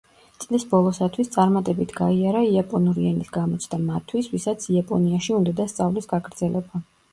წლის ბოლოსათვის წარმატებით გაიარა იაპონური ენის გამოცდა მათთვის, ვისაც იაპონიაში უნდოდა სწავლის გაგრძელება.